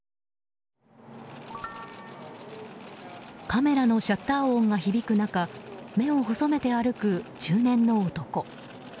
カメラのシャッター音が響く中目を細めて歩く中年の男。